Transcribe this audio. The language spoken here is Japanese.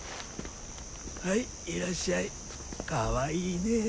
はいいらっしゃいかわいいねえ。